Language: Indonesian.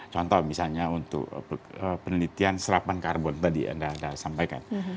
contoh misalnya untuk penelitian serapan karbon tadi anda sampaikan